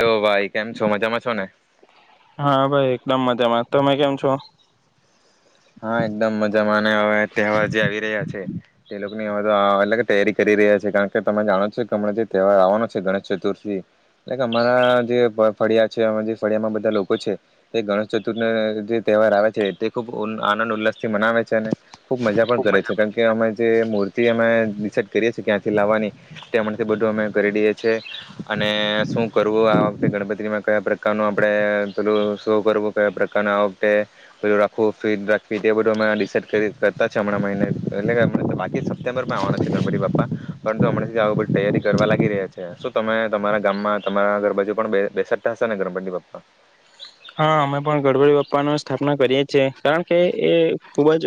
હા ભાઈ કેમ છો મજામાં છો ને હા ભાઈ એકદમ મજામાં તમે કેમ છો? હા એકદમ મજામાં હવે તહેવાર જે આવી રહ્યા છે તે લોકોની હવે તો અલગ તૈયારી કરી રહ્યા છે કારણ કે તમે જાણો છો કે હમણાં જે તહેવાર આવવાનો છે ગણેશ ચતુર્થી અમારા જે ફળિયા છે જે ફળિયામાં બધા લોકો છે તે ગણેશ ચતુર્થી જે તહેવાર આવે છે તે ખૂબ ખૂશી નો તહેવાર છે. ઓલ આનંદ. મનાવે છે અને ખુબ મજા પણ કરે છે કારણ કે અમે જે મૂર્તિ અમે લાવીએ છીએ. ડિસાઇડ કરીએ છે ક્યાંથી લાવવાની તે અથી બધું અમે કરી દઈએ છીએ અને શું કરવું આ વખતે ગણેશ ચતુર્થી માં કયા પ્રકારનો આપણેે પેલો શો કરવો જોઈએ. ખૂબ ફટાફટ એ બધું અમે ડીશાઈડ કરતા છે હમણાં મહિને એટલે કે બાકી સપ્ટેમ્બરમાં આવવાના છે ગણપતિ બાપ્પા પરંતુ હમણા આવિ બધી તૈયારી કરવા લાગી રહ્યા છે શું તમે તમારા ગામમાં તમારા ઘરબાજુ પણ બેસાતા હશો ને ગણપતિ બાપ્પા હા અમે પણ ગણપતિ બાપ્પાની સ્થાપના કરીએ છેએ કારણ કે એ ખુબ જ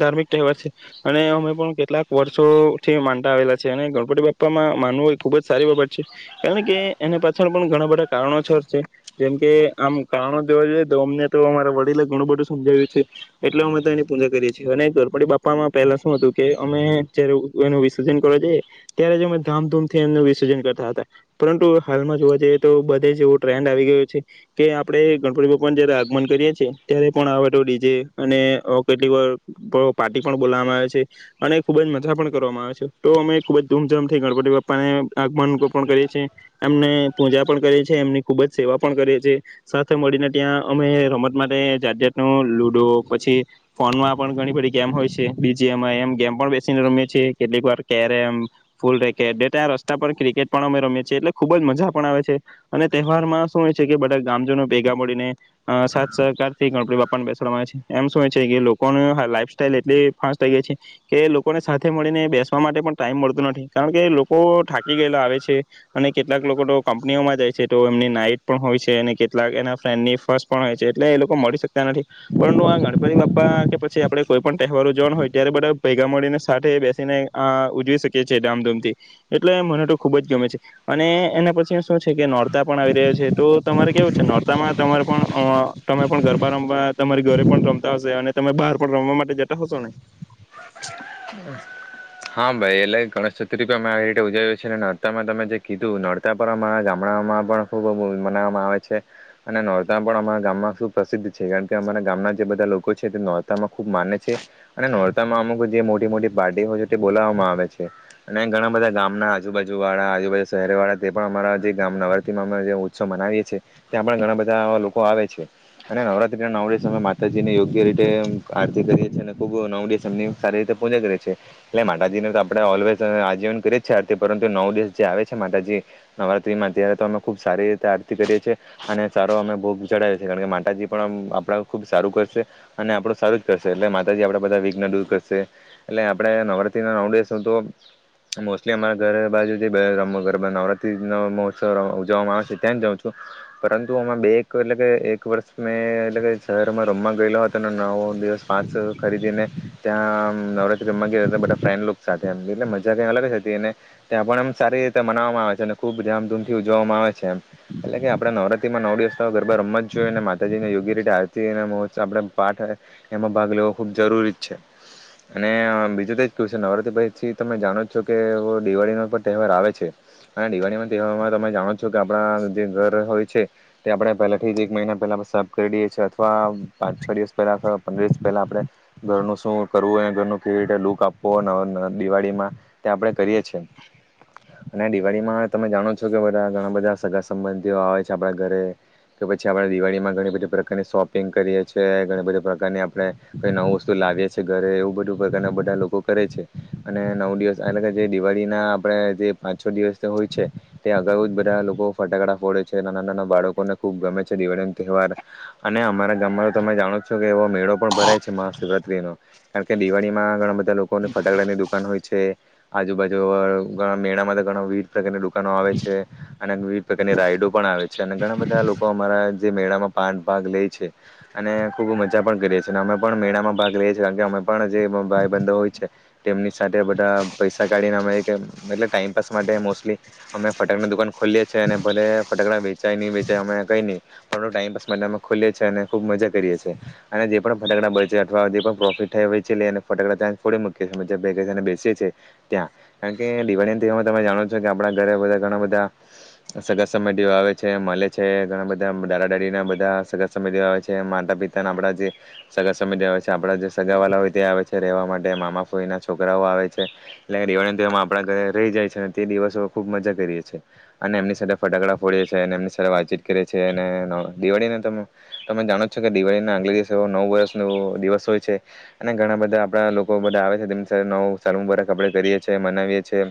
ધાર્મિક તહેવાર છે અને અમે પણ કેટલાક વર્ષોથી માનતા આવેલા છે અને ગણપતિ બાપ્પામાં માનવું એ ખુબ જ સારી બાબત છે કારણ કે એની પાછળ પણ ઘણા બધા કારણોસર છે જેમ કે? ઍ ધાર્મિક તહેવાર છે. આમ કારણો જોવા જઈએ તો અમને તો અમારા વડીલે ઘણું બધું સમજાવ્યું છે એટલે અમે તો એની પૂજા કરીએ છીએ અને ગણપતિ બાપામાં પહેલા શું હતું કે અમે જયારે એનું વિસર્જન કરવા જઈએ ત્યારે જ અમે ધામધૂમથી એમનું વિર્જન કરતા હતા પરંતુ હાલમાં જોવા જઈએ તો બધે જ એવો ટ્રેન્ડ આવી ગયો છે. કે આપણે ગણપતિ બાપ્પાને જયારે આગમન કરીએ છીએ ત્યારે પણ આ ડીજે અને કેટલીક વાર પાર્ટી પણ કરીએ છીએ અને ખૂબ જ મજા પણ કરવામાં આવે છે તો અમે ખૂબ ધૂમધામથી ગણપતિ બાપ્પાને આગમન પણ કરીએ છીએ એમની પૂજા પણ કરીએ છીએ એમની ખૂબ જ સેવા પણ કરીએ છીએ. સાથે મળને ત્યાં અમે રમત માટે જાત જાતન નો ન લુડો પછી ફોનમાં પણ ઘણી બધી ગેમ હોય છે બીજી અમે એમ ગેમ પણ બેસીને રમી છીએ કેટલીક વાર કેરમ. ફૂલ રેકેટ ત. રસ્તા પર ક્રિકેટ પણ અમે રમીએ છીએ એટલે ખુબ જ મજા પણ આવે છે અને તહેવારમાં શું હોય છે કે બધા ગેર જ હોય છે. ગામ જનો ભેગા મળીને સાથ. સહકાર થી ગણપતિ બાપાને બેસવાવામાં આવે છે. એમ શું છે કે લોકોનું લાઈફ સ્ટાઈલ એટલી ફાસ્ટ થઈ ગઈ છે કે લોકોને સાથે મળીને બેસવા માટે પણ ટાઈમ મળતો નથી કારણ કે લોકો થા કી ગયેલા આવે છે અને કેટલાક લોકો તો કંપનીઓમાં જાય છે તો એમની નાઈટ પણ હોય છે અનેઘરે હોય એ આવે. કેટલાક એના ફ્રેન્ડની ફર્સ્ટ પણ હોય છે એટલે એ લોકો મળી શકતા નથી પરંતુ આ ગણપતિ બાપા કે પછી આપને કોઈ પણ તહેવાર ઉજવવાનો હોય ત્યારે બધા ભેગા મળીને સાથે બેસીને આ ઉજવી શકીએ છીએ ધામધૂમથી એટલે મને તો ખૂબ જ ગમે છે અને એના પછી શું છે કે નોરતા પણ આવી રહ્યા છે તો તમારે કેવું ચાલીરહ્યું છે. નોરતામાં તમારે પણ અ તમે પણ ગરબા રમવા તમારી ઘરે પણ રમતા હશો અને તમે બહાર પણ રમવા માટે જતા હશો ને. હા ભાઈ એલે ગણેશ ચતુર્થી અમે આવી રીતે ઉજાવ્યો છે અને નોરતા માં તમે જે કીધું નો રતા પર અમારા ગામડામાં પણ ખૂબ મનાવવામાં આવે છે. અને નોરતા પણ અમારા ગામમાં ખુબ પ્રસિદ્ધ છે કારણ કે અમારા ગામના જે બધા લોકો છે તે નોરતામાં ખૂબ માને છે. અને નોરતામાં અમુક જે મોટી મોટી પાર્ટી હોય છે. બોલાવવામાં આવે છે અને ઘણા બધા ગામના આજુબાજુ વાળા આજુબાજુ શહેર વાળા તે પણ અમારા જે ગામ માં નવરાત્રીમાં અ ઉત્સવ મનાવીએ છીએ ત્યાં પણ ઘણા બધા લોકો આવે છે અને નવરાત્રીના નવ દિવસે માતાજી ને યોગ્ય રીતે આરતી કરીએ છીએ અને ખુબ નવ દિવસ સારી રીતે પૂજા કરીએ છીએ. એટલે માતાજીને તો આપણે ઓલવેઝ આજીવન કરીએ જીએ આરતી પરંતુ નવ દિવસ જે આવે છે માતાજી નવરાત્રીમાં અ્યારે તો અમે ખુબ સારી રીતે આરતી કરીએ છીએ અને સારો અમે ભોગ જડાવએ છીએ કારણ કે માતાજી પણ આપણા ખુબ સારું કરશે અને આપડું સારું જ કરશે એટલે માતાજી આપણા બધા વિઘ્ન દૂર કરશે. છે એટલે આપડે. નવરાત્રી નવ દિવસ તો મોસ્ટલી અમારા ઘરે બાજુથી નવરાત્રી નો મહોત્સવ ઉજવવામાં આવે છે ત્યાં જ જાઉં છું પરંતુ અમે બે એક એટલે કે એક વર્ષ મેં એટલે શહેરમાં રમવા ગયેલો હતો અને નવ દિવસ પાંચ ખરીદીને ત્યાં નવરાત્રી રમવા ગય. ફ્રેન્ડલોક સાથે એમ એટલે મજા જ કઈ અલગજ હતી અને ત્યાં પણ એમ સારી રીતે મનાવવામાં આવે છે અને ખૂબ ધામધૂમથી ઉજવવામાં આવે છે એમ એટલે કે આપણે નવરાત્રીમાં નવ દિવસગરબા રમવા જ જોઈ અને માતાજીને યોગ્ય રીતે આરતી આપણે પાઠ એમાં ભાગ લેવો ખૂબ જરૂરી જ છે અને બીજું તો.? કું છે નવરાત્રી પછી તમે જાણો જ છો કે દિવાળીનો પણ તહેવાર આવે છે અને દિવાળીના તહેવારમાં તમે જાણોછો કે. જો કે આપણા જે ઘર હોય છે. તે આપણે પહેલાથી જ એક મહિના પહેલા સફ કરી દઈએ છીએ અથવા પાંચ છ દિવસ પહેલા આથવા પંદર દિવસ પહેલા આપણે ઘરનું શું કરવું અને ઘરનું કેવી રીતે લુક આપવું? ઓ દિવાળીમાં ત્યાં આપણે કરીએ છેએ અને દિવાળીમાં તમે જાણો છો કે બધા ઘણા બધા સગા સંબંધીઓ આવે છે આપડા ઘરે કે પછી આપે દિવાળીમાં ઘણી બધી પ્રકારની શોપિંગ કરીએ છીએ ઘણી બધી પ્રકારની આપણે નવું વસ્તુ લાવીએ છીએ ઘરે એવું બધું પ્રકારના બધા લોકો. કરે છે અને નવ દિવસ એટલે કે જે દિવાળીના આપણે જે પાંચ છ દિવસ હોય છે તે અગાઉ જ બધા લોકો ફટાકડા ફોડે છે નાના નાના બાળકોને ખૂબ ગમે છે દિવાળીનો તહેવાર અને અમારા ગામમાં તમે જાણો છો કે. એવો [unintelligible] મેળો પણ ભરાય છે મહાશિવરાત્રી નો. કારણ કે દિવાળી માં ઘણા બધા. લોકોને ફટાકડા ની દુકાન હોય છે. આજુબાજુ ઘણા મેળામાં તો ઘણા વિવિધ પ્રકાર ના વ્યાપાર કરતા હોય છે. દુકાનોઆવે છે અને વિવિધ પ્રકારની રાઈડો પણ આવે છે. અને ઘણા બધા લોકો અમારા જે મેળામાં પાંચ ભાગ લે છે અને ખુબ મજા પણ કરીએ છીએ અને અમે પણ મેળામાં ભાગ લઈએ છીએ કારણ કે અમે પણ જે ભાઈ બંધો હોયછે. તેમની સાથે બધા પૈસા કાઢીને અમે મતલબ ટાઈમપાસ માટે મોસ્ટલી અમે ફટાકડા ની દુકાન ખોલીએ છીએ અને ભલે ફટાકડા વેચાય નહીં વેચાય અમે કંઈ નહીં પણ ટાઈમપાસ માટે અમે ખોલીએ છીએ અને ખૂબ મજા કરીએ છીએ અને જે પણ ફટકડા બચે છે અથવા જે પણ પ્રોફિટ થાય તે વેચીને અને ફટકડા ત્યાં. ગોળી મુકિત માં ત્યાં બેસીએ છીએ કારણ કે દિવાળી દિવામાં તમે જાણો છો કે આપણા ઘરે બધા ઘણા બધા સગા સબંધી મળવા આવે છે મળે છે ઘણા બધા દાદા દાદી ના બધા સગા સબંધી મળવા આવે છે. માતા પિતાના આપણા જે સગા સબંધી આવે છે. ચા આપડા જે સગાવવાલા હોય તે આવે છે રહેવા માટે મામા ફઈ છોકરાઓ આવે છે એટલે દિવાળી તો આપણા ઘરે રહી જાય છે તે દિવસો ખુબ મજા કરીએ છીએ અને એમની સાથે ફટાકડા ફોડીએ છી અને એમની સાથે વાતચીત કરીેી અને દિવાળીને તમે જાણો છો કે દિવાળીને આગલે દિવસે નવ વર્ષ ન દિવસ હોય છે અને ઘણા બધા આપડા લોકો બધા આવે છેની સાથે નવ સાલ બરા કપડે કરીએ છી મનાવીએ છ છેએ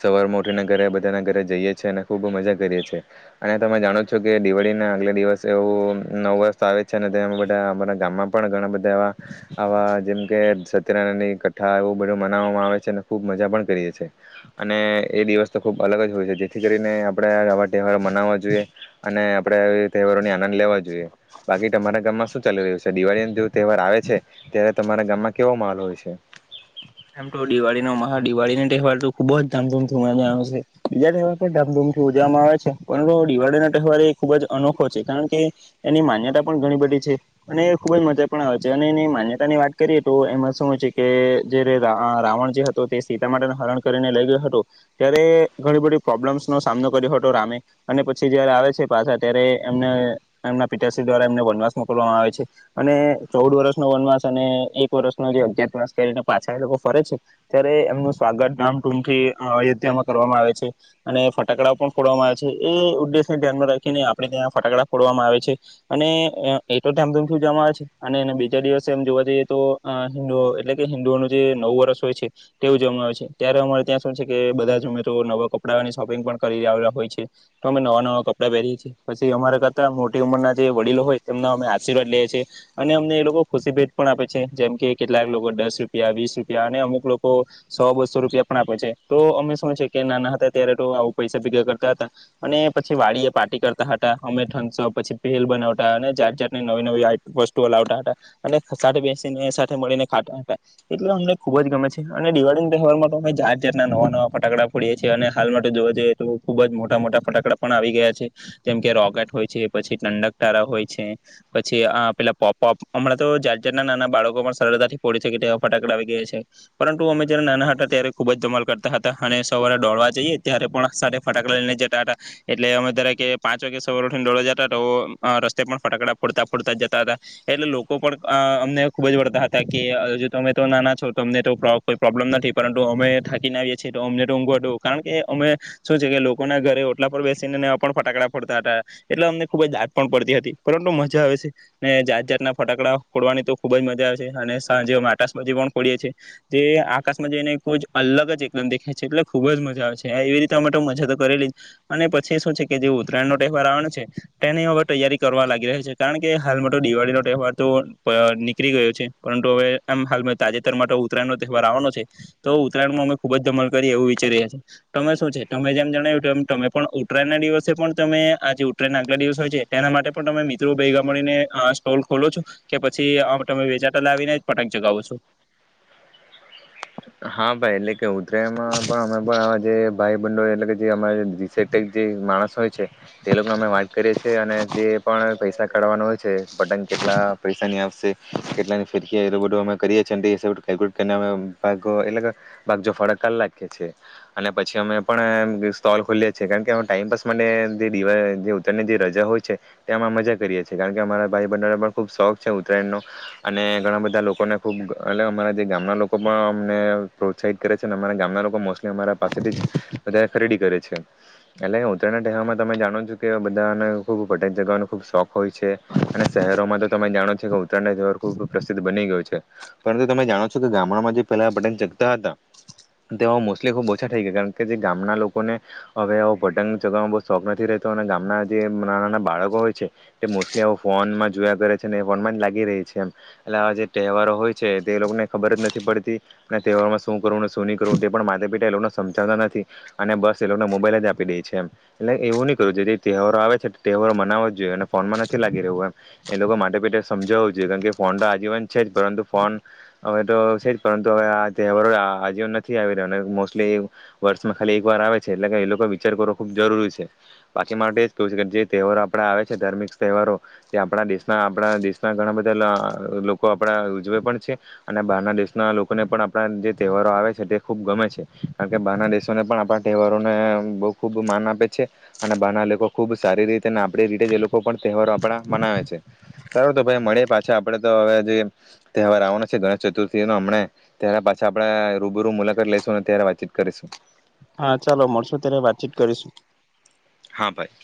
સવાર ઉઠીને ઘરે બધાના ઘરે જઈએ છી અને ખૂબ મજા કરીએ છીએ અને તમે જાણો છો કે દિવાળી ના આગલે દિવસ એવું નવ વર્ષ આવે છે અનેમાં બધા અમારા ગામમાં પણ ઘણા બધા એવાવા જેમકે સત્યનારાયણની કથ્ઠા એવું બધું મનાવવામાં આવે છે અને ખૂબ મજા પણ કરીએ છીએ અને એ દિવસ તો ખૂબ અલગ જ હોય છે જેથી કરીને આપણે આવા તહેવારો મનાવવા જોઈએ અને આપણે એ તહેવારોને આનંદ લેવા જોઈએ બાકી તમારા ગામમાં શું ચાલી રહ્યું છે દિવાળી જો તહેવાર આવે છે ત્યારે તમારા ગામમાં કેવો માલ હોય છે આમ તો દિવાળીનો મહ દિવાળી તહેવાર તો ખુબ જ ધામધૂમ થી ઉ આવે છે બીજા તહેવાર પણ ધામધૂમથી ઉજવામાં આવે છે પરંતુ દિવાળી ન તહેવાર એ ખુબ જ અનોખો છે કારણ કે એની માન્યતા પણ ઘણી બધી છે અને ખુબ જ મજા પણ આવે છે અને એની માન્યતાની વાત કરીએ તો એમાં શુંય છે કે રાવણ જે હતો તે સીતા માટે હરણ કરીને લઈ ગયો હતોું ત્યારે ઘણી બધી પ્રોબ્લેમ્સનોો સામનો કર્યો હતો રામે અને પછી જયારે આવે છે પાછા ત્યારે એમને એમના પિતાશ્રી દ્વારા એમને વનવાસ મોકલવામાં આવે છે અને ચૌદ વર્ષનો વનવાસ અને એક વર્ષનો જે અજતસ કરીને પાછ એ ફરે છે ત્યારે એમનું સ્વાગત ધમધૂમથી અયોધ્યામાં કરવામાં આવે છે અને ફટાકડા પણ ફોડવામાં આવે છે એ ઉદ્દેશને ધ્યાનમાં રાખીને આપણે ત્યાં ફટાકડા ફોડવામાં આવે છે અને એ તો ધામધૂમથી ઉજવામાં આવે છે અને બીજા દિવસે એમ જોવા જઈએ તો હિન્દુ એટલે કે જે નવું વર્ષ હોય છે તેવું જમા આવે છે ત્યારે અમારે ત્યાં શું છે કે બધા જ અમેિત નવા કપડાની શોપિંગ પણ કરીલા હોય છે તો અમે નવા નવા કપડા પહેરીએ છીએ પછી અમારા કરતા મોટી ઉંમરના જે વડીલો હોય એમના અમે આશીર્વાદ લેએ છીએ અને અમને એ લોકો ખુશી ભેટ પણ આપે છે જેમ કે કેટલાક લોકો દસ રૂપ વીસ રૂપિયા અને અમુક લોકો સો બસો રૂપિયા પણ આપે છે તો અમે શું છે કે નાના હતા ત્યારે તો આવ પૈસા ભેગા કરતા હતા અને પછી વાડી એ પાર્ટી કરતા હતા અમે ઠ પછી ભેલ બનાવતા અને જાત જાતની નવી નવી વસ્તુઓ લાવતા હતા અને સાથે બેસીને સાથે મળીને ખાતા હતા એટલે અમને ખુબ જ ગમે છે અને દિવાળી ના તહેવાર માં તો અમે જાારજાર ના નવા નવા ફાકડા ફોડીએ છીએ અને હાલ માટે જોવા જઈએ તો ખુબ જ મોટા મોટા ફટાકડા પણ આવી ગયા છે જેમ કે રોકેટ હોય છે પછી ટંડક તારા હોય છે પછી પેલા પોપ હોપ હમણાં તો જાારજાર નાના બાળકો પણ સરળતાથી ફોડે છે કે ફટાકડા ગયા પરંતુ અમે જયારે નાના હતા ત્યારે ખુબ જ ધમાલ કરતા હતા અને સવારે દોડળવા જઈએ ત્યારે પણ ફટાકડા લઈને જતા હતા એટલે અમે જરા કે પાંચ વાગે સવારેઠને દોળવા જતા તો રસ્તે પણ ફટાકડા ફોડતા ફોડતા જતા હતા એટલે લોકો પણ અમને ખુબ જ વળતા હતા કે હ અમે તો નાના છો તો અમને તો કોઈ પ્રોબ્લેમ નથી પરંતુ અમે થાકીને આવીએ છીએ તો અમને તો ઊંઘોટું કારણ કે અમે શું છે કે લોકોના ઘરે ઓટલા પર બેસીને પણ ફટાકડા ફડતા હતા એટલે અમને ખૂબ જ જાત પણ પડતી હતી પરંતુ મજા આવે છે ને જાત જાતના ફટાકડા ફોડવાની તો ખુબ જ મજા આવે છે અને સાંજે માટે આકાશમાં પણ ફોડીએી છે જે આકાશમાં એને ખ જ અલગ જ એકલમ દેખાય છે એટલે ખુબ જ મજા આવે છે એવી રીતે અમે તો મજા તો કરેલી જ અને પછી શું છે કે જે ઉત્તયણ વાર આવે છે તેની હવે તૈયારી કરવા લાગી રહ્યા છે કારણ કે હાલમાં તો દિવાળી નો તહેવાર તો નીકળી ગયો છે પરંતુ હવે એમ હાલ મે તાજેતર માટે ઉતરાયણ નો તહેવાર આવવાનો છે તો ઉત્તરાયણમાં અમે ખુબ જ ધમણ કરીએ એવું વિચારી્યાીએ તમે શું છે તમે જેમ જણ એ તમે પણ ઉત્તરાયણના દિવસે પણ તમે આજે ઉતરાયના આગલા દિવસ હોય છે તેના માટે પણ તમે મિત્રો ભગ મળીને સ્ટોલ ખોલો છો કે પછી તમે વેચાટ લાવીને પટાક જગાવું છું હા ભાઈ લ કે ઉતરાયમાં પણ અમે આ જે ભાઈ બંડો એટલે કે જે અમા જે માણસ હોય છે તે લોકોને અમે છે અને જે પણ પૈસા કાઢવાનો હોય છે બટન કેટલા પરેશાની આપશે કેટલા ની ફેરકી રોટ મે કરીએ છ કેલ્કુલેટ કર એટલે ભ જો ફડક ક લાગે છે અને પછી અમે પણ સ્ટોલ ખોલીએ છીએ કારણ કે અ ટાઈમપાસ માટે જે દ ઉત્તરાયની જે રજા હોય છે તે અમાં મજા કરીએ છ છેીએ કારણ કે અમારા ભાઈ બહેનોને પણ ખૂબ શોખ છે ઉત્તરાયણનો અને ઘણા બધા લોકોને ખૂબ અમારા જે ગામના લોકો અમને પ્રોત્સાહિત કરે છે અમારા ગામના લોકો મોસ્ટલી અમારા પાસેથી જ વધારે ખરીદી કરે છે એટલે ઉત્તરાયણના તહેવારમાં તમે જાણો છો કે બધાને ખૂબ વટેક જગવાઓનો ખબ શોખ હોય છે અને શહેરોમાં તો તમે જાણો છો કે ઉત્તરાયણના તહેવાર ખુબ પ્રસિદ્ધ બની ગયો છે પરંતુ તમે જાણો છો કે ગામડામાં જે પેલા પટંગ ચગતા હતા તે મોસ્ટલી ખુબ ઓછા થઈ ગયા કારણ કે જે ગામના લોકોને હવે પટંગ ચગાવવાનો બ શોખ નથી રહેતો અને ગામના જે ના નાના બાળકો હોય છે એ મોસ્ટલી ફોનમાં જોયા કરે છેને એ ફોનમાં જ લાગી રહી છે એમ એટલે આવા જે તહેવારો હોય છે તે એ લોકો ને ખબર જ નથી પડતી હેવામાં શું કરવુંને શું નહી કરું તે પણ મા પિ એ લોકોને સમજાવતા નથી અને બસ એ લોકોને મોબાઈલ જ આપી દે છે એમ એટલે એવું નહી કરવું જો જે તહેવારો આવે છે તહેવારો મનાવો જ જોઈએ અને ફોનમાં નથી લાગી રહ્યું એમ એ લોકો માટે પિટે સમજાવવું જોઈએ કારમ કે ફોન તો આજીવન છે જ પરંતુ ફોન હવે તો છે પરંતુ હવે આ તહેવારો આજવ નથી આવી રહ્યો અને મોસ્ટલી એ વર્ષમાં ખાલી એકવાર આવે છે એટલે કે એ લોકો વિચાર કરવો ખૂબ જરૂરી છે બાકી માટે એ જ કહવું છે કે જે તહેવારો આપણે આવે છે ધાર્મિક તહેવારો એ આપણા દેશના આપણા દેશના ઘણા બધા લોકો આપડા ઉજવે પણ છે અને બહારના દેશ ના લોકોને પણ આપણા જે તહેવારો આવે છે તે ખૂબ ગમે છે કારણ કે બહાર દેશોને પણ આપણા તહેવારોને બહુ ખૂબ માન આપે છે અને બહારના લોકો ખૂબ સારી રીતે અને આપણી રીતે જે લોકો પણ તહેવારો આપણા મનાવે છે સારો તો ભાઈ મળી પાછા આપણેે તો હવે જે તહેવાર આવવાના છે ગણેશ ચતુર્ હમ ત્યારે પાછા આપડણે રૂબરૂ મુલાકાત લઈશું અને ત્યારે વાતચીત કરીશું હા ચાલો મળશો ત્યારે વાતચીત કરીશું હા ભાઈ